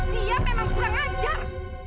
dia memang kurang ajar